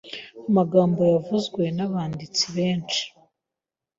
amagambo yavuzwe nabanditsi benshi